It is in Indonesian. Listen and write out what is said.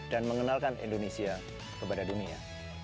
dan mengenalkan indonesia kepada dunia